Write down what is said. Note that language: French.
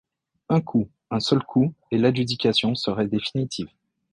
Un coup, un seul coup, et l’adjudication serait définitive!